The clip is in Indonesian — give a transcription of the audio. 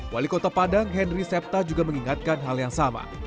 wali kota padang henry septa juga mengingatkan hal yang sama